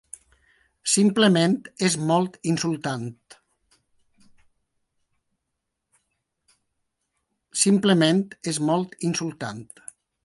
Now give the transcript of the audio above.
Simplement és molt insultant.